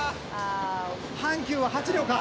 「阪急は８両か。